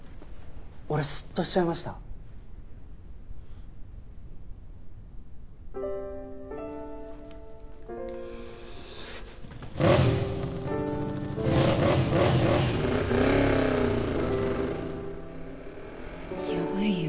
俺スッとしちゃいましたヤバいよ